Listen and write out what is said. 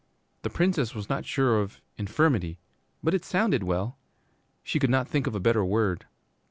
"' The Princess was not sure of 'infirmity,' but it sounded well. She could not think of a better word.